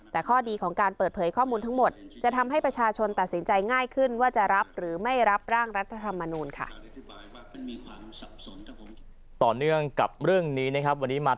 แต่ข้อดีของการเปิดเผยข้อมูลทั้งหมดจะทำให้ประชาชนตัดสินใจง่ายขึ้นว่าจะรับหรือไม่รับร่างรัฐธรรมนูลค่ะ